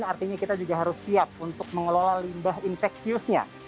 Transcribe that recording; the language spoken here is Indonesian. artinya kita juga harus siap untuk mengelola limbah infeksiusnya